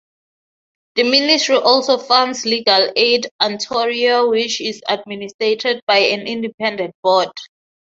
The Ministry also funds Legal Aid Ontario which is administered by an independent Board.